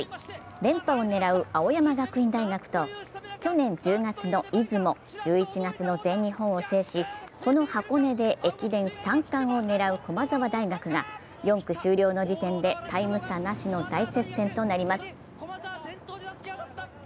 連覇を狙う青山学院大学と去年１０月の出雲、１１月の全日本を制しこの箱根で駅伝３冠を狙う駒澤大学が４区終了の時点でタイム差なしの大接戦となります。